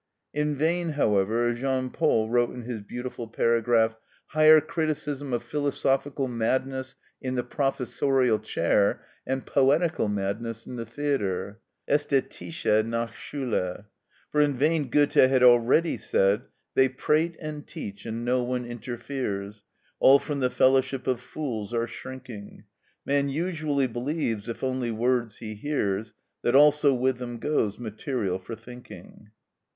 In vain, meanwhile, Jean Paul wrote his beautiful paragraph, "Higher criticism of philosophical madness in the professorial chair, and poetical madness in the theatre" (Æsthetische Nachschule); for in vain Goethe had already said— "They prate and teach, and no one interferes; All from the fellowship of fools are shrinking; Man usually believes, if only words he hears, That also with them goes material for thinking."